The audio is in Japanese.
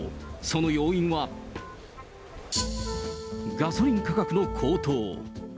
その要因は、ガソリン価格の高騰。